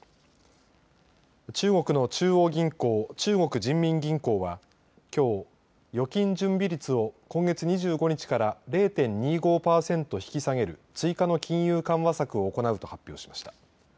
中国の中央銀行中国人民銀行はきょう預金準備率を今月２５日から０．２５パーセント引き下げる追加の金融緩和策を行うと発表しました。